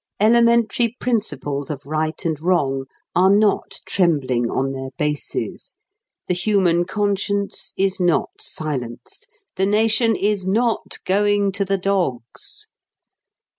Elementary principles of right and wrong are not trembling on their bases. The human conscience is not silenced. The nation is not going to the dogs.